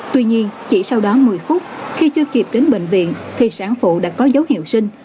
tuy nhiên chỉ sau đó một mươi phút khi chưa kịp đến bệnh viện thì sản phụ đã có dấu hiệu sinh